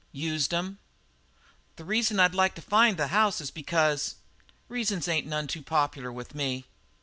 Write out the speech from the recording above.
"Used 'em." "The reason I'd like to find the house is because " "Reasons ain't none too popular with me."